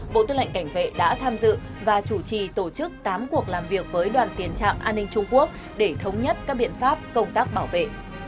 bộ tư lệnh cảnh vệ đã tham dự và chủ trì tổ chức tám cuộc làm việc với đoàn tiến trạm an ninh trung quốc để thống nhất các biện pháp công tác bảo vệ